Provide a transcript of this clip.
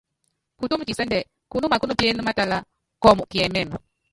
Kutúmu kisɛ́ndɛ kunúma kúnupíené maátálá, kɔɔmɔ kiɛmɛ́mɛ.